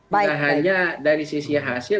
bukan hanya dari sisi hasil